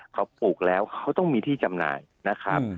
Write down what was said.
เขาปลูกแล้วเขาต้องมีที่จำหน่ายนะครับ